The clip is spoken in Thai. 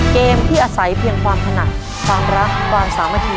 เกมที่อาศัยเพียงความถนัดความรักความสามัคคี